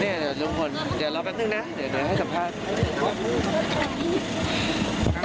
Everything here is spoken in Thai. เดี๋ยวลุงพลเดี๋ยวรอแป๊บนึงนะเดี๋ยวให้สัมภาษณ์